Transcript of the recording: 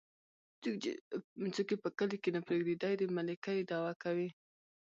څوک يې په کلي کې نه پرېږدي ،دى د ملکۍ دعوه کوي.